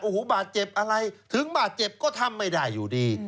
โอ้โหบาดเจ็บอะไรถึงบาดเจ็บก็ทำไม่ได้อยู่ดี